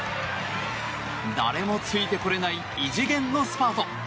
誰もついてこれない異次元のスパート。